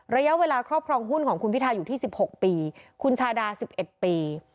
ระยะเวลาครอบครองหุ้นของคุณพิทาอยู่ที่๑๖ปีคุณชาดา๑๑ปี